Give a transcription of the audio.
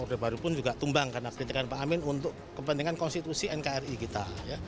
orde baru pun juga tumbang karena kritikan pak amin untuk kepentingan konstitusi nkri kita